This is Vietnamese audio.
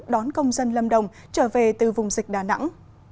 đón công dân lâm đồng trở về từ vùng dịch đà nẵng